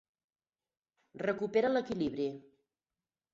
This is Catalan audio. Recupera l'equilibri.